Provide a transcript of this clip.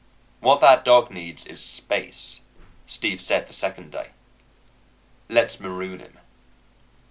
"What that dog needs is space," Steve said the second day. "Let's maroon him."